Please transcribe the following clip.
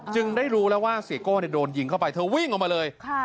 ได้รู้แล้วว่าเสียโก้โดนยิงเข้าไปเธอวิ่งออกมาเลย